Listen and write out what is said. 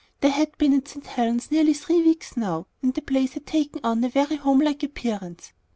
They had been at St. Helen's nearly three weeks now, and the place had taken on a very homelike appearance.